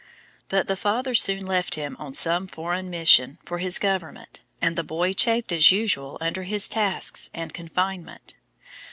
But the father soon left him on some foreign mission for his government and the boy chafed as usual under his tasks and confinement.